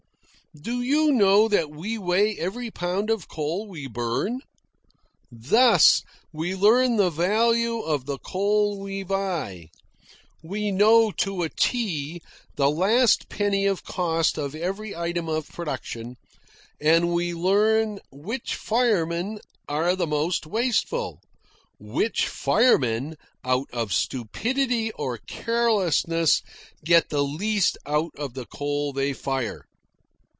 Do you know that we weigh every pound of coal we burn? Thus, we learn the value of the coal we buy; we know to a tee the last penny of cost of every item of production, and we learn which firemen are the most wasteful, which firemen, out of stupidity or carelessness, get the least out of the coal they fire."